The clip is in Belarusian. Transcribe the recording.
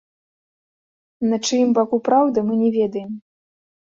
На чыім баку праўда, мы не ведаем.